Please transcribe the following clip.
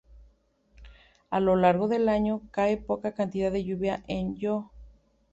A lo largo del año, cae poca cantidad de lluvia en Ilo.